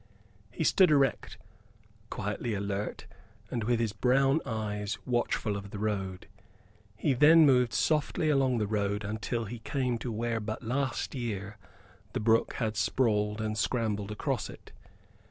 He stood erect, quietly alert, and with his brown eyes watchful of the road. He then moved softly along the road until he came to where but last year the brook had sprawled and scrambled across it.